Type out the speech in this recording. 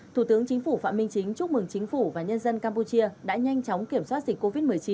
thủ tướng chính phủ phạm minh chính chúc mừng chính phủ và nhân dân campuchia đã nhanh chóng kiểm soát dịch covid một mươi chín